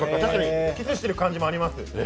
キスしている感じもあります。